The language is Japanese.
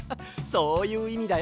そういういみだよ。